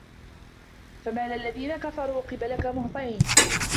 فَمالِ الَّذينَ كَفَروا قِبَلَكَ مُهطِعينَ